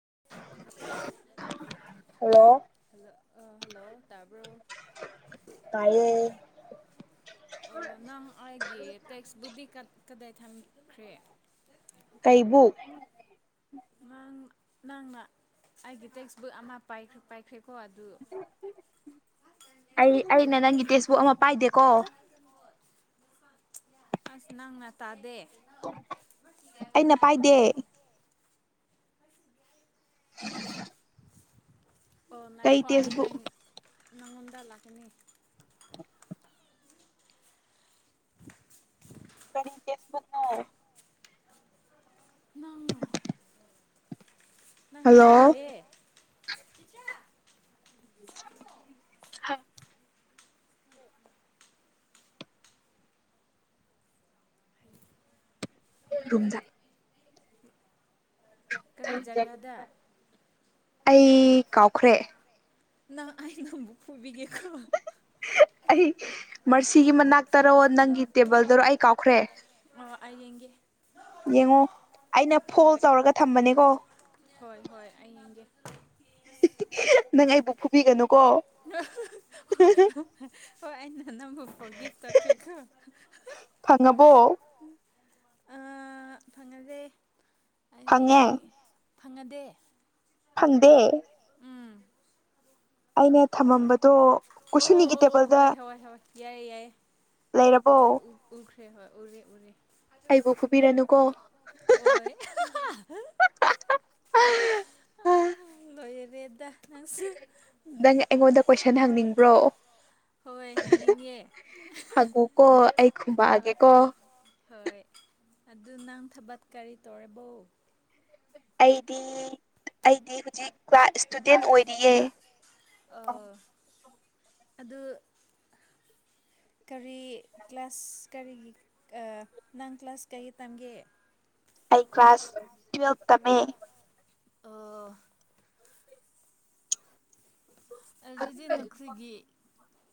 [unintelligible] hello hello ꯑ hello ꯇꯥꯕ꯭ꯔꯣ ꯇ ꯑꯣ ꯅꯪ ꯑꯩꯒꯤ ꯇꯦꯛꯁꯕꯨꯛꯇꯛꯇ ꯀꯗꯥꯏ ꯊꯝꯈ꯭ꯔꯦ ꯀꯩꯕꯨ ꯅꯪ ꯅꯪꯅ ꯑꯩꯒꯤ ꯇꯦꯛꯁ ꯕꯨꯛ ꯑꯃ ꯄꯥꯏꯈ꯭ꯔꯦꯀꯣ ꯑꯗꯨ ꯑꯩ ꯑꯩꯅ ꯅꯪꯒꯤ ꯇꯦꯛꯁꯕꯨꯛ ꯑꯃ ꯄꯥꯏꯗꯦꯀꯣ ꯑꯁ ꯅꯪꯅ ꯇꯥꯗꯦ ꯑꯩꯅ ꯄꯥꯏꯗꯦ [unintelligible] ꯑꯣ ꯅꯪ ꯀꯩ ꯈ꯭ꯋꯥꯏ ꯇꯦꯛꯁꯕꯨꯛ ꯅꯪ ꯅꯪꯉꯣꯟꯗ ꯂꯥꯛꯀꯅꯤ ꯀꯁ ꯃꯅ ꯅꯪ ꯅꯪ ꯍꯜꯂꯣ ꯀꯗꯥꯂꯑꯦ ꯍ ꯔꯨꯝꯖ ꯀꯔꯤ ꯖꯒꯥꯗ ꯑꯩ ꯀꯥꯎꯈ꯭ꯔꯦ ꯅ ꯑ ꯅꯕꯨ ꯐꯨꯕꯤꯒꯦ ꯑꯩ ꯃꯁꯤꯁꯤꯒꯤ ꯃꯅꯥꯛꯇꯔꯣ ꯅꯪꯒꯤ ꯇꯦꯕꯜꯗꯔꯣ ꯑꯩ ꯀꯥꯎ ꯑꯣ ꯑꯩ ꯌꯦꯡꯒꯦ ꯌꯦꯡꯉꯣ ꯑꯩꯅ ꯐꯣꯜ ꯍꯣꯏ ꯇꯧꯔꯒ ꯊꯝꯕꯅꯦꯀꯣ ꯍꯣꯏ ꯍꯣꯏ ꯑꯩ ꯌꯦꯡꯒꯦ ꯅꯪ ꯑꯩꯕꯨ ꯐꯨꯕꯤꯒꯅꯨꯀꯣ ꯍꯣꯏ ꯑꯩꯅ ꯅꯕꯨꯐꯥꯎ ꯒꯤꯐ ꯇꯈ꯭ꯔꯦꯀꯣ ꯐꯪꯉꯕꯣ ꯐꯪꯉꯁꯦ ꯑꯩꯗꯤ ꯐꯪꯉꯦ ꯌꯦꯡꯉꯦ ꯐꯪꯉꯗꯦ ꯐꯪꯗꯦ ꯎꯝ ꯑꯩꯅ ꯊꯝꯃꯝꯕꯗꯣ ꯀꯨꯁꯨꯅꯤꯒꯤ ꯇꯦꯕꯜꯗ ꯌꯥꯏꯌꯦꯦ ꯌꯥꯏꯌꯦꯦ ꯂꯩꯔꯕꯣ ꯎꯈ꯭ꯔꯦ ꯍꯣꯏ ꯎꯔꯦ ꯎꯔꯦ ꯑꯩꯕꯨ ꯐꯨꯕꯤꯔꯅꯨꯀꯣ ꯍꯣꯏ ꯑꯥ ꯂꯣꯏꯔꯦꯗ ꯅꯪꯁꯨ ꯅꯪ ꯑꯩꯉꯣꯟꯗ ꯀꯣꯏꯁꯟ ꯍꯪꯅꯤꯡꯕ꯭ꯔꯣ ꯍꯣꯏ ꯍꯥꯏꯅꯤꯡꯉꯦ ꯍꯥꯏꯉꯨꯀꯣ ꯑꯩ ꯍꯣꯏ ꯈꯕꯥꯑꯒꯦꯀꯣ ꯍꯣꯏ ꯑꯗꯨ ꯅꯪ ꯊꯕꯠ ꯀꯔꯤ ꯇꯧꯦꯔꯕꯣ ꯑꯩꯗꯤ ꯑꯩꯗꯤ ꯍꯧꯖꯤꯛ ꯀ꯭ꯂꯥꯁ ꯏꯁꯇꯨꯗꯦꯟ ꯑꯣꯏꯔꯤꯌꯦ ꯑ [unintelligible] [inaudible] ꯑꯗ [unintelligible] [inaudible] ꯀꯔꯤ ꯀ꯭ꯂꯥꯁ ꯀꯔꯤꯒꯤ ꯅꯪ ꯀ꯭ꯂꯥꯁ ꯀꯩ ꯇꯝꯒꯦ ꯑꯩ ꯀ꯭ꯂꯥꯁ ꯇ꯭ꯨꯋꯦꯜꯕ ꯇꯝꯃꯦ ꯑ [unintelligible] [inaudible] ꯑꯗꯨꯗꯤ ꯅꯈꯣꯏꯒꯤ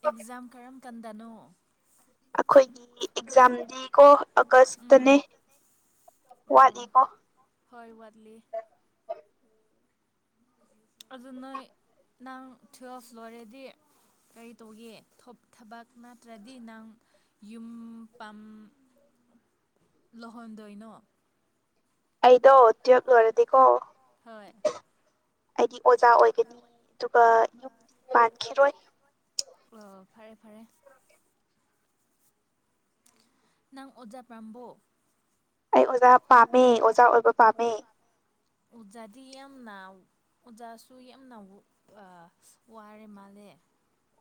ꯑꯦꯛꯖꯥꯝ ꯀꯔꯝ ꯀꯥꯟꯗꯅꯣ ꯑꯩꯈꯣꯏꯒꯤ ꯑꯦꯛꯖꯥꯝꯗꯤ ꯀꯣ ꯎꯝ ꯑꯥꯒꯁꯇꯅꯦ ꯑꯣ ꯋꯥꯠꯂꯤꯀꯣ ꯍꯣꯏ ꯋꯥꯠꯂꯤ ꯑꯗꯨ ꯅꯣꯏ ꯅꯪ ꯇꯨꯋꯜꯐ ꯂꯣꯏꯔꯦꯗꯤ ꯀꯔꯤ ꯇꯧꯒꯦ ꯊꯕꯛ ꯅꯠꯇ꯭ꯔꯗꯤ ꯅꯪ ꯌꯨꯝ ꯄ ꯂꯨꯍꯣꯟꯗꯣꯏꯩꯅꯣ ꯑꯩꯗꯣ ꯇ꯭ꯌꯞ ꯂꯣꯏꯔꯗꯤꯀꯣ ꯍꯣꯏ ꯑꯩꯗꯤ ꯑꯣꯖꯥ ꯑꯣꯏꯒꯅꯤ ꯑꯗꯨꯒ ꯌꯨꯝꯗꯤ ꯄꯥꯟꯈꯤꯔꯣꯏ ꯑꯣ ꯐꯔꯦ ꯐꯔꯦ ꯅꯪ ꯑꯣꯖꯥ ꯄꯥꯝꯕꯣ ꯑꯩ ꯑꯣꯖꯥ ꯄꯥꯝꯃꯦ ꯑꯣꯖꯥ ꯑꯣꯏꯕ ꯄꯥꯝꯃꯦ ꯑꯣꯖꯥꯗꯤ ꯌꯥꯝꯅ ꯑꯣꯖꯥꯁꯨ ꯌꯥꯝꯅ ꯋꯥꯔꯦ ꯃꯥꯂꯦ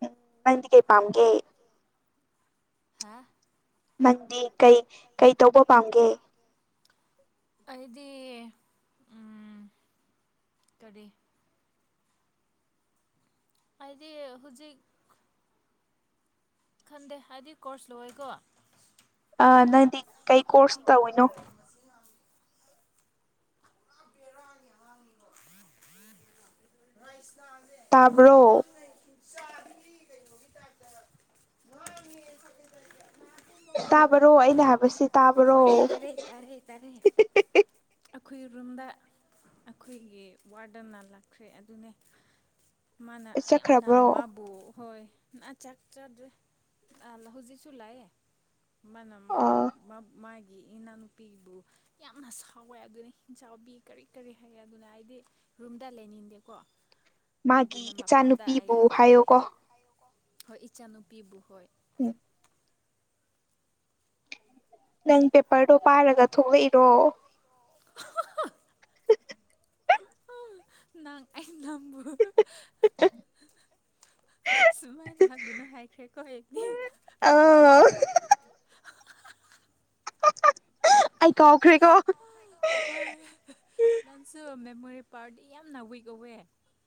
ꯎꯝ ꯃꯗꯤ ꯀꯦ ꯄꯝ ꯀꯦ ꯍꯥ [inaudible] ꯃꯪꯗꯤ ꯀꯩ ꯀꯩ ꯇꯧꯕ ꯄꯥꯝꯒꯦ ꯑꯩꯗꯤ ꯎꯝ ꯀꯔꯤ ꯍꯥꯏꯗꯤ ꯍꯧꯖꯤꯛ ꯈꯟꯗꯦ ꯍꯥꯏꯗꯤ ꯀꯣꯔꯁ ꯂꯣꯏꯦꯀꯣ ꯑ ꯅꯪꯗꯤ ꯀꯩ ꯀꯣꯔꯁ ꯇꯧꯅꯣ ꯔꯥꯡꯉꯦ ꯍꯥꯡꯉꯤꯕꯣꯁ ꯇꯥꯕ꯭ꯔꯣ ꯆꯥꯕꯒꯤ ꯀꯩꯅꯣꯒꯤ ꯇꯥꯏꯇ ꯇꯥꯕꯔꯣ ꯑꯩꯅ ꯍꯥꯏꯁ ꯇꯥꯕꯔꯣ ꯍꯣꯏ ꯇꯥꯏꯔꯦ ꯇꯥꯔꯦ ꯇꯥꯔꯦ ꯑꯩꯈꯣꯏ ꯔꯨꯝꯗ ꯑꯩꯈꯣꯏꯒꯤ ꯋꯥꯔꯗꯅ ꯂꯥꯛꯈ꯭ꯔꯦ ꯑꯗꯨꯅꯦ ꯃꯥꯅ ꯌꯥꯝꯅ ꯆꯠꯈ꯭ꯔꯕ꯭ꯔꯣ ꯃꯥꯕꯨ ꯍꯣꯏ ꯆꯥꯛ ꯆꯥꯗ꯭ꯔꯦ ꯑ ꯍꯧꯖꯤꯛꯁꯨ ꯂꯥꯛꯌꯦꯦ ꯃꯥꯅ ꯑ ꯃꯥꯒꯤ ꯏꯅꯥꯅꯨꯄꯤꯕꯨ ꯌꯥꯝꯅ ꯁꯥꯎꯋꯦ ꯑꯗꯨꯅꯤ ꯏ ꯆꯥꯎꯕꯤ ꯀꯔꯤ ꯀꯔꯤ ꯍꯥꯏꯒꯦ ꯑꯗꯨꯅ ꯑꯩꯗꯤ ꯔꯨꯝꯗ ꯂꯩꯅꯤꯡꯗꯦꯀꯣ ꯃꯥꯒꯤ ꯑꯗꯨꯅ ꯃꯄꯥꯝꯗ ꯏꯆꯥꯅꯨꯄꯤꯕꯨ ꯑꯩ ꯂꯥꯛꯑꯦ ꯍꯥꯏꯌꯣꯀꯣ ꯍꯣꯏ ꯏꯆꯥꯅꯨꯄꯤꯕꯨ ꯍꯣꯏ ꯎꯝ [inaudible] ꯅꯪ ꯄꯦꯄꯔꯗꯣ ꯄꯥꯔꯒ ꯊꯣꯛꯂꯛꯏꯔꯣ ꯅꯪ ꯑ ꯅꯕꯨ [inaudible] ꯁꯨꯃꯥꯏꯅ ꯍꯥꯏꯒꯨꯅ ꯍꯥꯏꯥꯏꯈ꯭ꯔꯦ ꯀꯣꯗꯤ [unintelligible] [inaudible] ꯑꯀ ꯑꯣꯈ꯭ꯔꯦ ꯀꯣ ꯍꯣꯏ ꯅꯪꯁꯨ ꯃꯦꯃꯣꯔꯤ ꯄꯥꯔꯗꯤ ꯌꯥꯝꯅ ꯋꯤꯛ ꯑꯣꯏꯧꯋꯦ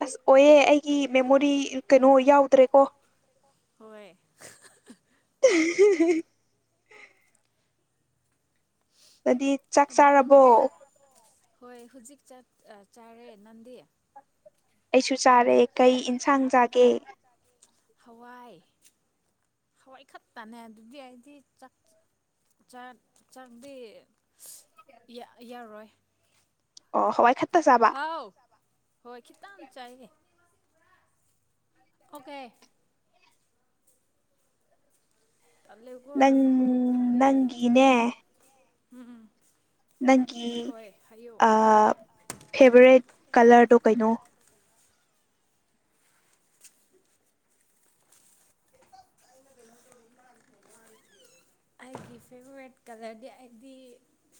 ꯑꯁ ꯑꯣꯏꯌꯦ ꯑꯩꯒꯤ ꯃꯦꯃꯣꯔꯤ ꯀꯩꯅꯣ ꯌꯥꯎꯗ꯭ꯔꯦꯀꯣ ꯍꯣꯏ [unintelligible] ꯅꯗꯤ ꯆꯥꯛ ꯑꯗꯨ ꯆꯥꯔꯕꯣ ꯍꯣꯏ ꯍꯨꯖꯤꯛ ꯆꯠ ꯆꯥꯔꯦ ꯅꯟꯗꯤ ꯑꯩꯁꯨ ꯆꯥꯔꯦ ꯀꯩ ꯏꯟꯁꯥꯡ ꯆꯥꯒꯦ ꯍꯋꯥꯏ ꯍꯋꯥꯏ ꯈꯛꯇꯅꯦ ꯑꯗꯨꯗꯤ ꯑꯩꯗꯤꯥꯛ ꯆ ꯆꯥꯛ ꯆꯥꯛꯗꯤ ꯌꯥ ꯌꯥꯔꯣꯏ ꯑꯣ ꯍꯋꯥꯏ ꯈꯠꯇ ꯆꯥꯕ ꯍꯥꯎ ꯍꯣꯏ ꯈꯤꯇꯝ ꯆꯥꯏꯌꯦ ꯑꯣꯀꯦ ꯇꯠꯂꯦꯀꯣ ꯅꯪ ꯑꯈꯣꯏ ꯑꯈꯣꯏꯒꯤ ꯅꯪꯒꯤꯅꯦ ꯍꯤꯟꯖꯥꯡꯗꯤ ꯅꯪꯒꯤ ꯍꯣꯏ ꯍꯥꯏꯌꯨ ꯑ ꯐꯦꯚꯣꯔꯥꯏꯠ ꯀꯂꯔꯗꯣ ꯀꯩꯅꯣ [inaudible] ꯑꯩꯒꯤ ꯐꯦꯚꯣꯔꯥꯏꯠ ꯀꯂꯔꯗꯤ ꯑꯩꯗꯤ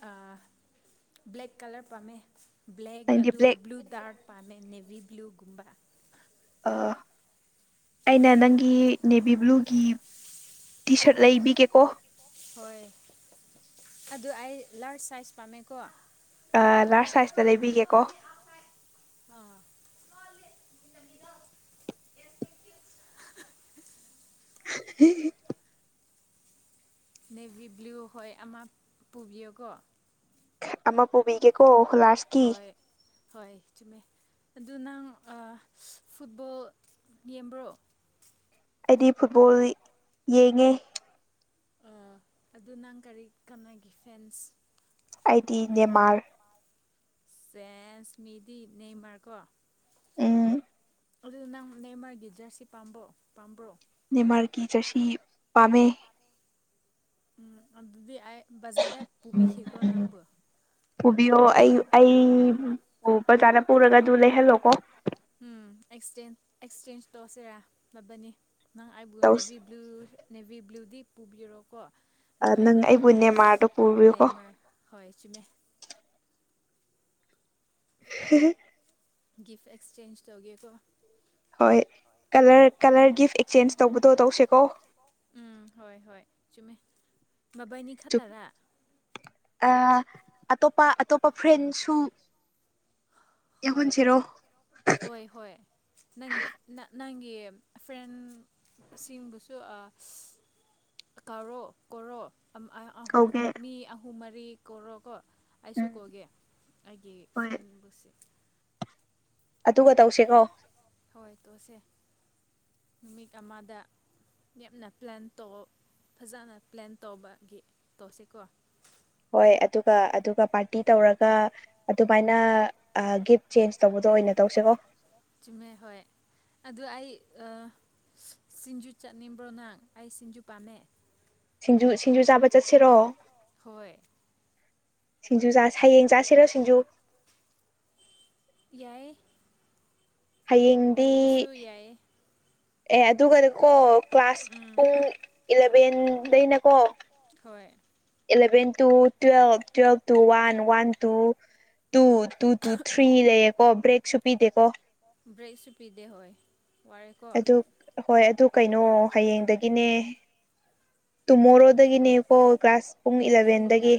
ꯑ ꯕ꯭ꯂꯦꯛ ꯀꯂꯔ ꯄꯥꯝꯃꯦ ꯕ꯭ꯂꯦꯛ ꯅꯪꯗꯤ ꯑꯗꯨ ꯕ꯭ꯂꯦꯛ ꯕ꯭ꯂꯨ ꯗꯥꯔꯛ ꯄꯥꯝꯃꯦ ꯅꯦꯕꯤ ꯕ꯭ꯂꯨꯒꯨꯝꯕ ꯑ ꯑꯩꯅ ꯅꯪꯒꯤ ꯅꯦꯕꯤ ꯕ꯭ꯂꯨꯒꯤ ꯇꯤ ꯁꯔꯠ ꯂꯩꯕꯤꯒꯦꯀꯣ ꯍꯣꯏ ꯑꯗꯨ ꯑꯩ ꯂꯥꯔꯖ ꯁꯥꯏꯖ ꯄꯥꯝꯃꯦꯀꯣ ꯂꯥꯔꯖ ꯁꯥꯏꯖꯇ ꯂꯩꯕꯤꯒꯦꯀꯣ ꯑꯥ [unintelligible] ꯅꯦꯚꯤ ꯕ꯭ꯂꯨ ꯍꯣꯏ ꯑꯃ ꯄꯨꯕꯤꯌꯨꯀꯣ ꯑꯃ ꯄꯨꯕꯤꯒꯦꯀꯣ ꯍꯨꯂꯥꯁꯀꯤ ꯍꯣꯏ ꯍꯣꯏ ꯆꯨꯃꯦ ꯑꯗꯨ ꯅꯪ ꯑ ꯐꯨꯠꯕꯣꯜ ꯌꯦꯡꯕ꯭ꯔꯣ ꯑꯩꯗꯤ ꯐꯨꯠꯕꯣꯜ ꯌꯦꯡꯉꯦ ꯑ ꯑꯗꯨ ꯅꯪ ꯀꯔꯤ ꯀꯅꯥꯒꯤ ꯐꯦꯟꯁ ꯑꯩꯗꯤ ꯅꯦꯃꯥꯔ ꯆꯦꯟꯁꯃꯤꯗꯤ ꯅꯦꯃꯔꯀꯣ ꯎꯝ ꯑꯗꯨꯗ ꯅꯪ ꯅꯦꯝꯃꯔꯒꯤ ꯖꯔꯁꯤ ꯄꯥꯝꯕꯣ ꯄꯥꯝꯕ꯭ꯔꯣ ꯅꯦꯃꯔꯀꯤ ꯖꯔꯁꯤ ꯄꯥꯃꯦ ꯎꯝ ꯑꯗꯨꯗꯤ ꯑꯩ ꯕꯖꯔꯗ ꯄꯨꯕꯤꯈꯤꯀꯣ ꯅꯪꯕꯨ ꯄꯨꯕꯤꯌꯣ ꯑꯩ ꯑꯩ ꯕꯖꯥꯔꯅ ꯄꯨꯔꯒ ꯑꯗꯨ ꯂꯩꯍꯜꯂꯣꯀꯣ ꯑꯦꯛꯁꯦꯟ ꯑꯦꯛꯁꯆꯦꯟꯖ ꯇꯧꯔꯁꯤꯔꯥ ꯂꯕꯅꯤ ꯅꯪ ꯑꯩꯕꯨ ꯇꯧꯁꯤ ꯅꯦꯚꯤ ꯕ꯭ꯂꯨ ꯅꯦꯕꯤ ꯕ꯭ꯂꯨꯗꯤ ꯄꯨꯕꯤꯔꯣ ꯀꯣ ꯑꯗꯨ ꯅꯪ ꯑꯩꯅ ꯑꯩꯕꯨ ꯑꯅꯝꯕ ꯅꯦꯃꯥꯔꯗꯣ ꯄꯨꯕꯤꯌꯨꯀꯣ ꯅꯦꯝꯃꯔ ꯍꯣꯏ ꯆꯨꯝꯃꯦ ꯍ ꯒꯤꯐ ꯑꯦꯛꯁꯆꯦꯟꯁ ꯇꯧꯒꯦꯀꯣ ꯍꯣꯏ ꯀꯂꯔ ꯀꯂꯔ ꯒꯤꯐ ꯑꯦꯛꯆꯦꯟꯁ ꯇꯧꯕꯗꯣ ꯇꯧꯁꯦꯀꯣ ꯎꯝ ꯍꯣꯏ ꯍꯣꯏ ꯆꯨ ꯃꯕꯥꯅꯤ ꯈꯠꯇꯔꯥ ꯑ ꯑꯇꯣꯞꯄ ꯑꯇꯣꯞꯄ ꯐ꯭ꯔꯦꯟꯁꯨ ꯌꯥꯎꯍꯟꯁꯤꯔꯣ ꯍꯣꯏ ꯍꯣꯏ ꯅꯪ ꯅ ꯅꯪ ꯏ ꯐ꯭ꯔꯦꯟ ꯁꯤꯡꯕꯨꯁꯨ ꯑ ꯀꯔꯣ ꯀꯣꯔꯣ ꯑꯝ ꯑ ꯑꯍꯨꯝ ꯀꯧꯒꯦ ꯃꯤ ꯑꯍꯨꯝ ꯃꯔꯤ ꯀꯣꯔꯣꯀꯣ ꯑꯩꯁꯨ ꯎꯝ ꯀꯧꯒꯦ ꯑꯩꯒꯤ ꯐ꯭ꯔꯦꯟꯕꯨꯁꯦ ꯑꯗꯨ ꯒꯠ ꯍꯣꯏ ꯇꯣꯁꯦ [unintelligible] ꯅꯨꯃꯤꯠ ꯑꯃꯗ ꯅꯞꯅ ꯄ꯭ꯂꯥꯟ ꯇꯧ ꯐꯖꯅ ꯄ꯭ꯂꯥꯟ ꯇꯧꯕꯒꯤ ꯇꯧꯁꯤꯦꯀꯣ ꯍꯣꯏ ꯑꯗꯨꯒ ꯑꯗꯨꯒ ꯄꯥꯔꯇꯤ ꯇꯧꯔꯒ ꯑꯗꯨꯃꯥꯏꯅ ꯒꯤꯐ ꯆꯦꯟꯖ ꯇꯧꯕꯗꯣ ꯑꯣꯏꯅ ꯇꯧꯁꯤꯀꯣ ꯆꯃꯦ ꯍꯣꯏ ꯑꯗꯨ ꯑꯩ ꯁꯤꯡꯖꯨ ꯆꯠꯅꯤꯡꯕ꯭ꯔꯣ ꯅꯪ ꯑꯩ ꯁꯤꯡꯖꯨ ꯄꯥꯝꯃꯦ ꯁꯤꯡꯖꯨ ꯁꯤꯡꯖꯨ ꯆꯥꯕ ꯆꯠꯁꯤꯔꯣ ꯍꯣꯏ ꯁꯤꯡꯖꯨ ꯆ ꯍꯌꯦꯡ ꯆꯥꯁꯤꯔꯣ ꯁꯤꯡꯖꯨ ꯌꯥꯏ ꯍꯌꯦꯡꯗꯤ ꯑꯦ ꯑꯗꯨꯒꯗꯀꯣ ꯀ꯭ꯂꯥꯁ ꯎꯝ ꯐꯨꯡ ꯏꯂꯚꯦꯟꯗꯩꯅꯀꯣ ꯍꯣꯏ eleven two twelve twelve two one one two two two two three ꯂꯩꯌꯦꯀꯣ ꯕ꯭ꯔꯦꯛꯁꯨ ꯄꯤꯗꯦꯀꯣ ꯭ꯔꯁ ꯄꯤꯗꯦ ꯍꯣꯏ ꯋꯥꯔꯦꯀꯣ ꯑꯗꯨ ꯍꯣꯏ ꯑꯗꯨ ꯀꯩꯅꯣ ꯍꯌꯦꯡꯗꯒꯤꯅꯦ ꯇꯨꯃꯣꯔꯣꯗꯒꯤꯅꯦꯀꯣ ꯀ꯭ꯂꯥꯁ ꯄꯨꯡ ꯏꯂꯚꯦꯟꯗꯒꯤ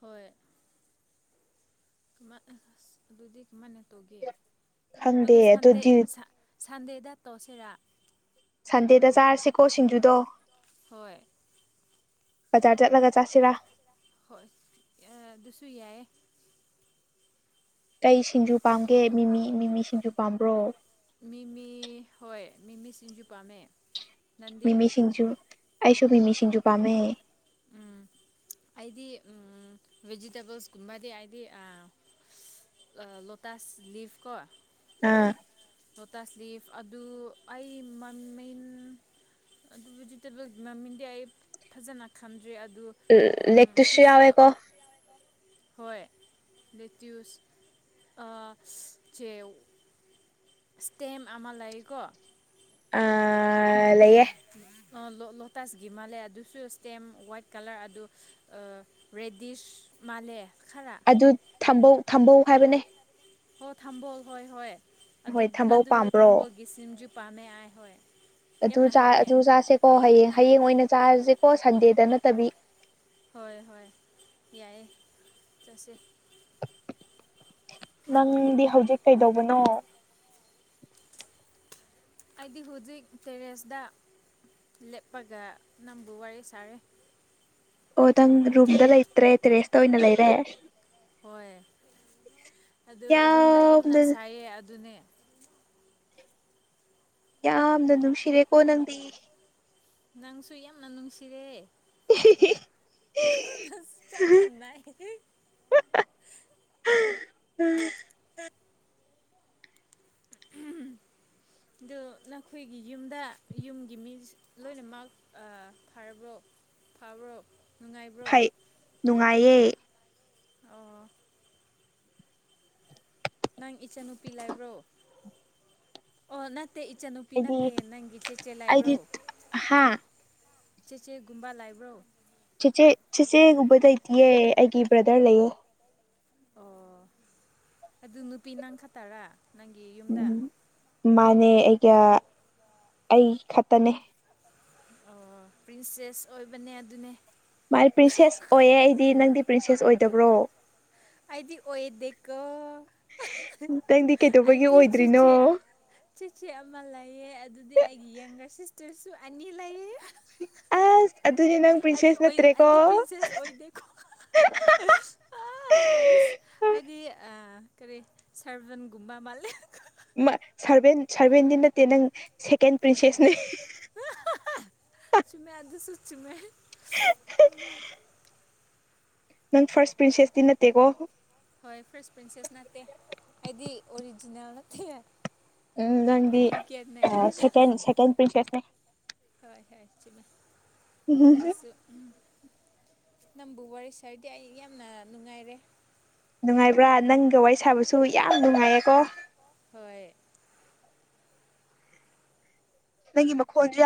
ꯍꯣꯏ ꯃ ꯑ ꯑꯗꯨꯗꯤ ꯀꯃꯥꯏꯅ ꯇꯧꯒꯦ ꯈꯪꯗꯦ ꯑꯗꯨ ꯇ ꯁꯟꯗꯦ ꯁꯟꯗꯦꯗ ꯇꯣꯁꯤꯔꯥ ꯁꯟꯗꯦꯗ ꯆꯥꯔꯁꯤꯀꯣ ꯁꯤꯡꯖꯨꯗꯣ ꯍꯣꯏ ꯕꯥꯖꯔ ꯆꯠꯂꯒ ꯆꯥꯁꯦꯔ ꯍꯣꯏ ꯑꯗꯨꯁꯨ ꯌꯥꯏ ꯀꯩ ꯁꯤꯡꯖꯨ ꯄꯥꯝꯒꯦ ꯃꯤꯃꯤ ꯃꯤꯃꯤ ꯁꯤꯡꯖꯨ ꯄꯥꯝꯕ꯭ꯔꯣ ꯃꯤꯃꯤ ꯍꯣꯏ ꯃꯤꯃꯤ ꯁꯤꯖꯣꯄꯥꯃꯦ ꯃꯤꯃꯤ ꯁꯤꯁꯤꯡꯖꯨ ꯑꯩꯁꯨꯣ ꯃꯤꯃꯤ ꯁꯤꯡꯖꯨ ꯄꯝꯦ ꯎꯝ ꯑꯩꯗꯤ ꯚꯦꯖꯤꯇꯦꯕꯜꯁꯀꯨꯝꯕꯗꯤ ꯍꯥꯏꯗꯤ ꯑ ꯂꯣꯇꯥꯥꯁ ꯂꯤꯚ ꯀ ꯑꯥ ꯇꯁꯂꯤꯐ ꯑꯗꯨ ꯑꯩ ꯃꯃꯤꯟ ꯑꯗꯨ ꯚꯦꯖꯤꯇꯦꯕꯜ ꯃꯃꯤꯡꯗꯤ ꯑꯩ ꯐꯖꯅ ꯈꯟꯗ꯭ꯔꯦ ꯑꯗꯨ ꯂꯦꯛꯇꯨꯁꯁꯨ ꯁꯤꯁꯨ ꯌꯥꯎꯋꯦꯀꯣ ꯍꯣꯏ ꯅꯇꯌꯨꯁ ꯆ ꯏꯁꯇꯦꯝꯦꯝ ꯑꯃ ꯂꯩꯀꯣ ꯑ ꯂꯩꯌꯦ ꯂꯣꯇꯥꯁ ꯒꯤ ꯃꯥꯜꯂꯦ ꯑꯗꯨꯁꯨ ꯁ꯭ꯇꯦꯝ ꯋꯥꯏꯠ ꯀꯂꯔ ꯑꯗꯨ ꯔꯦꯗꯤꯁ ꯃꯥꯂꯦ ꯑꯗꯨꯝꯕꯧ ꯊꯝꯕꯧ ꯍꯥꯏꯕꯅꯦ ꯍ ꯊꯝꯝꯕꯣꯜ ꯍꯣꯏ ꯍꯣꯏ ꯑꯗꯨ ꯍꯣꯏ ꯊꯝꯕꯧ ꯑꯗꯨ ꯄꯥꯝꯕ꯭ꯔꯣ ꯊꯝꯕꯣꯜꯒꯤ ꯁꯤꯝꯁꯨ ꯄꯥꯝꯃꯦꯑꯥꯏ ꯍꯣꯏ ꯑꯗꯨ ꯌꯥꯝꯅ ꯍꯥꯎꯋꯦ ꯑꯗꯨ ꯆꯥꯁꯦꯀꯣ ꯍꯌꯦꯡ ꯍꯌꯦꯡ ꯑꯣꯏꯅ ꯆꯥꯔꯁꯦꯀꯣ ꯁꯟꯗꯦꯗ ꯅꯠꯇꯕꯤ ꯍꯣꯏ ꯍꯣꯏ ꯌꯥꯏꯑꯦ ꯆꯠꯁꯦ ꯅꯪꯗꯤ ꯍꯧꯖꯤꯛ ꯀꯩꯗꯧꯕꯅꯣ ꯑꯩꯗꯤ ꯍꯧꯖꯤꯛ ꯀꯔꯤꯁꯗ ꯂꯦꯞꯄꯒ ꯅꯪꯕꯨ ꯋꯥꯔꯤ ꯁꯥꯔꯦ ꯑꯣ ꯅꯪ ꯔꯨꯝꯗ ꯂꯩꯇ꯭ꯔꯦ ꯇꯦꯔꯦꯁꯇ ꯑꯣꯏꯅ ꯂꯩꯔꯦ ꯍꯣꯏ ꯑꯗꯨ ꯔꯨꯝꯗ ꯌꯥꯝꯅ ꯁꯥꯏꯌꯦ ꯑꯗꯨꯅꯦ ꯌꯥꯝꯅ ꯅꯨꯡꯁꯤꯔꯦꯀꯣ ꯅꯪꯗꯤ ꯅꯪꯁꯨꯨ ꯌꯥꯝꯅ ꯅꯨꯡꯁꯤꯔꯦ [unintelligible] ꯁ ꯆꯝꯕꯅ ꯎꯝ [inaudible] ꯑꯗ ꯅꯈꯣꯏꯒꯤ ꯌꯨꯝꯗ ꯌꯨꯝꯒꯤ ꯃꯤ ꯂꯣꯏꯅꯃꯛ ꯐꯔꯕ꯭ꯔꯣ ꯐꯕꯔꯛ ꯐꯩ ꯅꯨꯡꯉꯥꯏꯌꯦ ꯑ ꯅꯪ ꯏꯆꯟꯅꯨꯄꯤ ꯂꯥꯏꯕ꯭ꯔꯣ ꯑꯣ ꯅ ꯠꯇꯦ ꯏꯆꯟꯅꯨꯄꯤ ꯑꯩꯗꯤ ꯅꯠꯇꯦ ꯅꯪꯒꯤ ꯆꯦꯆꯦ ꯑꯩꯗꯤ ꯂꯥꯏꯕ꯭ꯔꯣ ꯍꯥ ꯆꯦ ꯆꯦꯒꯨꯝꯕ ꯂꯥꯏꯕ꯭ꯔꯣ ꯆꯤꯆꯦ ꯆꯤꯆꯦꯒꯨꯝꯕ ꯂꯩꯇꯌꯦ ꯑꯩꯒꯤ ꯕ꯭ꯔꯗꯔ ꯂꯩꯌꯦ ꯑꯣ ꯑꯗꯨ ꯅꯨꯄꯤ ꯅꯪ ꯈꯠꯇꯔꯥ ꯅꯪꯒꯤ ꯌꯨꯝꯗ ꯅꯦ ꯑꯩꯒ ꯑꯩ ꯈꯛꯇꯅꯦ ꯑꯣ ꯄ꯭ꯔꯤꯟꯁꯦꯁ ꯑꯣꯏꯕꯅꯦ ꯑꯗꯨꯅꯦ ꯃꯥꯅꯦ ꯄ꯭ꯔꯤꯟꯁꯦꯁ ꯑꯣꯏꯌꯦ ꯑꯩꯗꯤ ꯅꯪꯗꯤ ꯄ꯭ꯔꯤꯟꯁꯦꯁ ꯑꯣꯏꯗꯕ꯭ꯔꯣ ꯑꯩꯗꯤ ꯑꯣꯏꯗꯤꯀꯣ ꯅꯪꯗꯤ ꯀꯩꯗꯧꯕꯒꯤ ꯑꯩꯒꯤ ꯑꯣꯏꯗ꯭ꯔꯤꯅꯣ ꯆꯤꯆꯦ ꯆꯤꯆꯦ ꯑꯃ ꯂꯩꯑ ꯑꯗꯨꯗꯤ ꯑꯩꯒꯤ ꯌꯪꯒꯔꯁ ꯇꯁꯨ ꯑꯅꯤ ꯂꯩꯌꯦ ꯑ ꯑꯗꯨꯗꯤ ꯅꯪ ꯑꯩꯗꯤ ꯄ꯭ꯔꯤꯟꯁꯦꯁ ꯑꯣꯏ ꯅꯠꯇ꯭ꯔꯦꯀꯣ ꯑꯩꯗꯤ ꯄ꯭ꯔꯤꯟꯁꯦꯁ ꯑ ꯑꯩꯗꯤ ꯑꯩꯗꯤ ꯑ ꯀꯔꯤ ꯁꯔꯖꯟꯒꯨꯝꯕ ꯃꯥꯜꯂꯦ ꯁꯚꯦꯟ ꯁꯔꯚꯦꯟꯗꯤ ꯅꯠꯇꯦ ꯅꯪ ꯁꯦꯀꯦꯟ ꯄ꯭ꯔꯤꯟꯁꯦꯁꯅꯦ ꯆꯨꯝꯣꯏ ꯅꯪ ꯐꯥꯔꯁ ꯄ꯭ꯔꯤꯟꯁꯦꯁꯇꯤ ꯅꯠꯇꯦꯀꯣ ꯍꯣꯏ ꯐꯔꯁ ꯄ꯭ꯔꯤꯟꯁꯦꯁ ꯅꯠꯇꯦ ꯑꯩꯗꯤ ꯑꯣꯔꯤꯖꯤꯅꯦꯜ ꯅꯠꯇꯦ ꯎꯝ ꯅꯪꯗꯤ ꯗꯨꯄ꯭ꯂꯤꯀꯦꯠꯅꯦ ꯁꯦ ꯁꯦꯀ ꯄꯔꯤꯁꯦꯁꯅꯦ ꯇꯏ ꯍꯁ ꯆ ꯃ ꯁꯨ ꯅꯪꯕꯨ ꯋꯥꯔꯤ ꯁꯥꯔꯗꯤ ꯑꯩ ꯌꯥꯝꯅ ꯅꯨꯡꯉꯥꯏꯔꯦ ꯅꯨꯡꯉꯥꯏꯕ꯭ꯔꯥ ꯅꯪꯒ ꯋꯥꯔꯤ ꯁꯥꯕꯁꯨ ꯌꯥꯝ ꯅꯨꯡꯉꯥꯏꯌꯦꯀꯣ ꯍꯣꯏ ꯅꯒꯤ ꯃꯈꯈꯣꯖꯤꯌꯥ